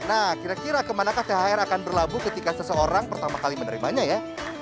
nah kira kira kemanakah thr akan berlabuh ketika seseorang pertama kali menerimanya ya